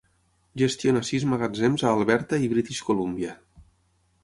Gestiona sis magatzems a Alberta i British Columbia.